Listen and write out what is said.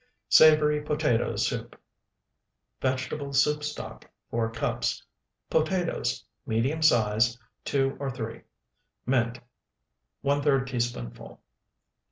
SAVORY POTATO SOUP Vegetable soup stock, 4 cups. Potatoes, medium size, 2 or 3. Mint, ⅓ teaspoonful.